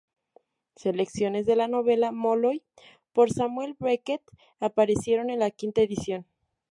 Selecciones de la novela "Molloy" por Samuel Beckett, aparecieron en la quinta edición.